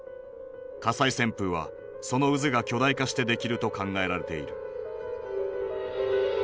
火災旋風はその渦が巨大化してできると考えられている。